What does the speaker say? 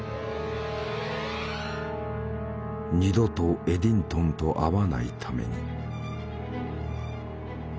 二度とエディントンと会わないために。